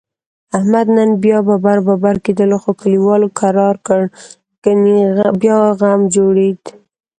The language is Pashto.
احمد نن بیا ببر ببر کېدلو، خو کلیوالو کرارکړ؛ گني بیا غم جوړیدا.